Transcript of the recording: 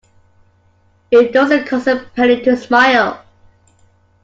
It doesn't cost a penny to smile.